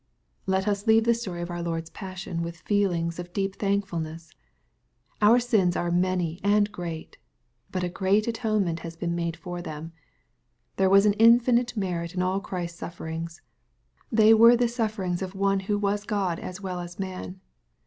Let us leave the story of our Lord's passion with feelings of deep thankfulness. Our sins are many and great. But a great atonement has been made for them. There was an infinite merit in all Christ's sufferings. They were the sufferings of One who was God as well as man.